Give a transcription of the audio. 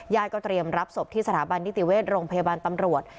เตรียมรับศพที่สถาบันนิติเวชโรงพยาบาลตำรวจ